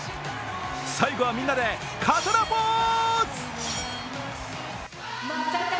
最後はみんなで刀ポーズ。